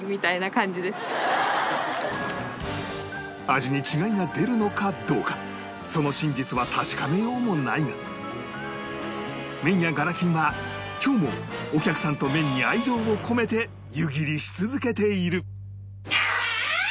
味に違いが出るのかどうかその真実は確かめようもないが麺屋がらきんは今日もお客さんと麺に愛情を込めて湯切りし続けている